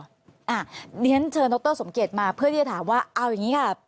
เพราะฉะนั้นเชิญดรสมเกตมาเพื่อที่จะถามว่าเอาอย่างนี้ค่ะ